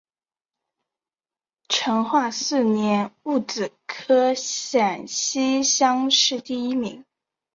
成化四年戊子科陕西乡试第一名。